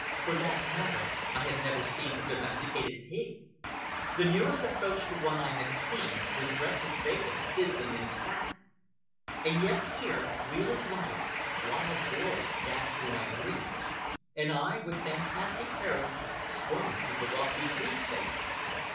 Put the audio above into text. For that matter I had never seen a domesticated pig. The nearest approach to one that I had seen was breakfast bacon sizzling in its fat. And yet here, real as life, wild boars dashed through my dreams, and I, with fantastic parents, swung through the lofty tree spaces.